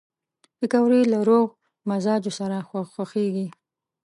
پکورې له روغ مزاجو سره خوښېږي